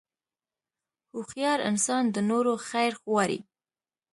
هوښیار انسان د نورو خیر غواړي.